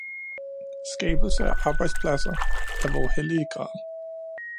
Skabelse af arbejdspladser er vor hellige gral.